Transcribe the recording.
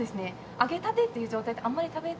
揚げたてっていう状態であんまり食べた事ない。